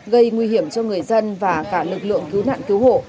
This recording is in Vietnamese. gây nguy hiểm cho người dân và cả lực lượng cứu nạn cứu hộ